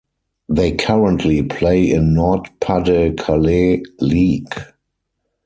They currently play in Nord-Pas-de-Calais league.